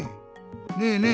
ねえねえ